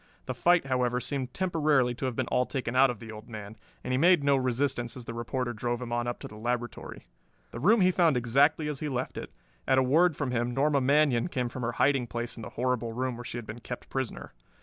The fight, however, seemed temporarily to have been all taken out of the old man, and he made no resistance as the reporter drove him on up to the laboratory. The room he found exactly as he left it. At a word from him Norma Manion came from her hiding place in the horrible room where she had been kept prisoner.